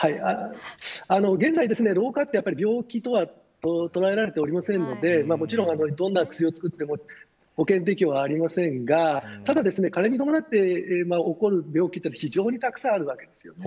現在、老化って病気とは捉えられていないのでもちろん、どんな薬を作っても保険適用はありませんがただ加齢に伴って起こる病気は非常にたくさんあるわけです。